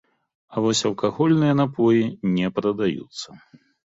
А вось алкагольныя напоі не прадаюцца.